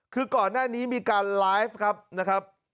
คือก่อนหน้านี้มีการไลฟ์ครับนะครับ